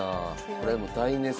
これもう大熱戦。